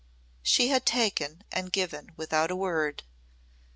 She had taken and given without a word.